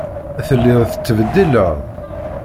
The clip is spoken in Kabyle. Telliḍ tettbeddileḍ.